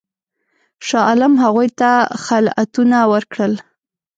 شاه عالم هغوی ته خلعتونه ورکړل.